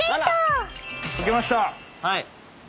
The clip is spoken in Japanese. はい。